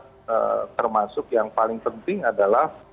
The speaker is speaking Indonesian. yang dapat termasuk yang paling penting adalah